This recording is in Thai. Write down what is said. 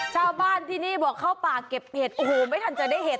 ชาวบ้านที่นี่บอกเข้าป่าเก็บเห็ดโอ้โหไม่ทันจะได้เห็น